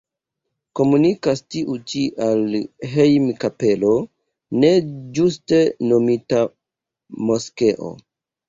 Komunikas tiu ĉi al hejm-kapelo, ne ĝuste nomita moskeo.